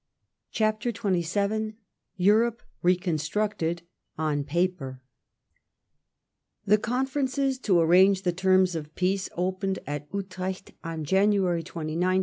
CHAPTER XXVn EUROPE RECONSTEUCTED — ON PAPER The conferences to arrange the terms of peace opened at Utrecht on Jainuary 29, 1712.